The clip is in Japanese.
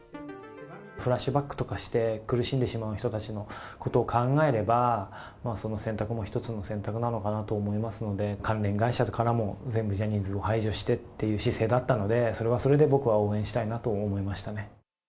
フラッシュバックとかして、苦しんでしまう人たちのことを考えれば、その選択も一つの選択なのかなと思いますので、関連会社からも全部ジャニーズを排除してっていう姿勢だったので、それはそれで僕は応援したいなと思いましたね。